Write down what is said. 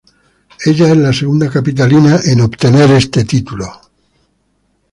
Ella es la segunda Capitalina en obtener este título.